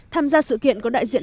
tham gia sự kiện có đại diện